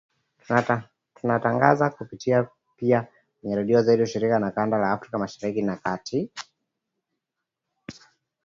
tunatangaza kupitia pia kwenye redio zetu shirika za kanda ya Afrika Mashariki na Kati